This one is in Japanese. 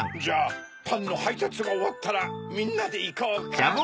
じゃあパンのはいたつがおわったらみんなでいこうか。